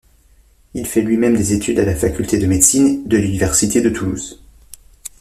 Il fait lui-même des études à la faculté de médecine de l'université de Toulouse.